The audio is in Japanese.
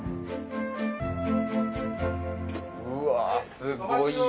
うわすごいよ。